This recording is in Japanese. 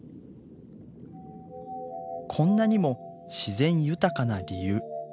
こんなにも自然豊かな理由。